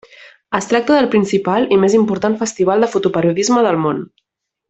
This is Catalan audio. Es tracta del principal i més important festival de fotoperiodisme del món.